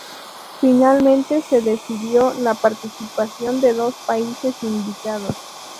Finalmente, se decidió la participación de dos países invitados.